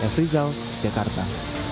f rizal jakarta